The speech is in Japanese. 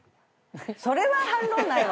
それは反論ないわ。